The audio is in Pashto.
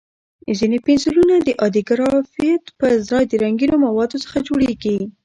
ځینې پنسلونه د عادي ګرافیت پر ځای د رنګینو موادو څخه جوړېږي.